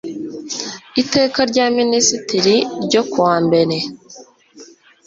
iteka rya ministri ryo kuwa mbere